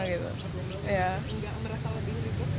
enggak merasa lebih ribet gitu